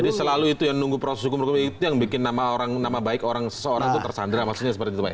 jadi selalu itu yang nunggu proses hukum hukum itu yang bikin nama baik seseorang tersandra maksudnya seperti itu pak ya